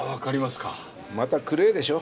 またクレーでしょ。